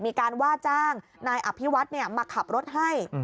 มีการว่าจ้างนายอภิวัฒน์มาขับรถให้